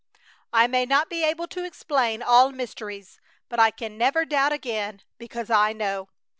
I may not be able to explain all mysteries, but I can never doubt again, because I know.